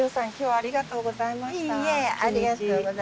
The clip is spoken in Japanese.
ありがとうございます。